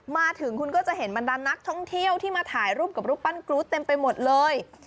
มาถึงคุณก็จะเห็นบรรดานนักท่องเที่ยวที่มาถ่ายรูปกับรูปปั้นกรู๊ดเต็มไปหมดเลย